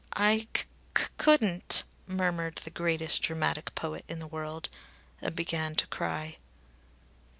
"I c couldn't," murmured the greatest dramatic poet in the world; and began to cry.